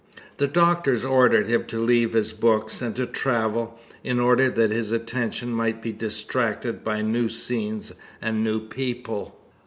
The doctors ordered him to leave his books and to travel, in order that his attention might be distracted by new scenes and new people.